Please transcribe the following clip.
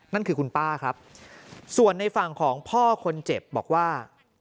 นั่นคือคุณป้าครับส่วนในฝั่งของพ่อคนเจ็บบอกว่า